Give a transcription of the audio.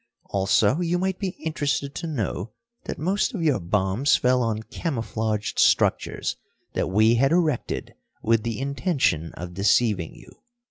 Also you might be interested to know that most of your bombs fell on camouflaged structures that we had erected with the intention of deceiving you."